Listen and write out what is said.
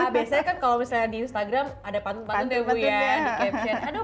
biasanya kan kalau misalnya di instagram ada pantun pantun ya ibu ya